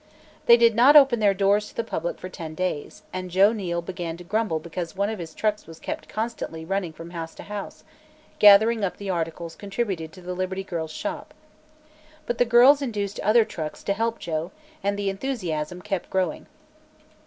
They did not open their doors to the public for ten days, and Joe Neal began to grumble because one of his trucks was kept constantly running from house to house, gathering up the articles contributed to the Liberty Girls' Shop. But the girls induced other trucks to help Joe and the enthusiasm kept growing.